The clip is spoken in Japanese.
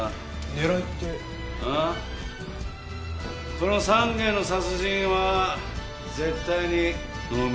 この３件の殺人は絶対に能見だ。